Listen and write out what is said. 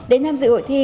đến tham dự hội thi